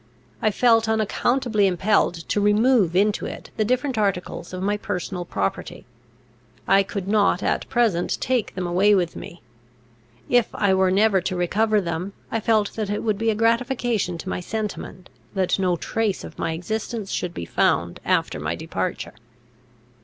I felt unaccountably impelled to remove into it the different articles of my personal property. I could not at present take them away with me. If I were never to recover them, I felt that it would be a gratification to my sentiment, that no trace of my existence should be found after my departure.